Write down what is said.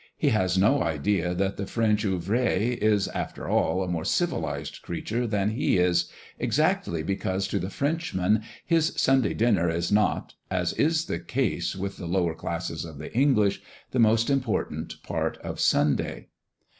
He has no idea that the French ouvrier is, after all, a more civilised creature than he is, exactly because to the Frenchman his Sunday dinner is not, as is the case with the lower classes of the English, the most important part of the Sunday.